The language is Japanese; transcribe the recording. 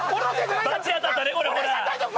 バチ当たったでこれほら！